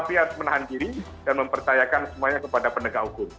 tapi harus menahan diri dan mempercayakan semuanya kepada penegak hukum